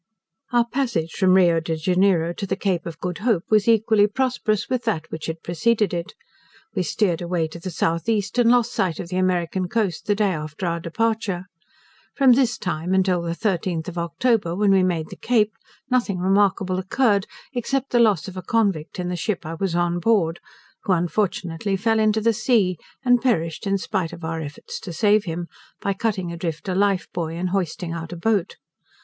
Our passage from Rio de Janeiro to the Cape of Good Hope was equally prosperous with that which had preceded it. We steered away to the south east, and lost sight of the American coast the day after our departure. From this time until the 13th of October, when we made the Cape, nothing remarkable occurred, except the loss of a convict in the ship I was on board, who unfortunately fell into the sea, and perished in spite of our efforts to save him, by cutting adrift a life buoy and hoisting out a boat.